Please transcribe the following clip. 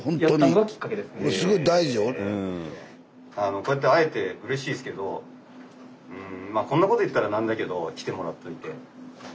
こうやって会えてうれしいですけどまあこんなこと言ったら何だけど来てもらっといて。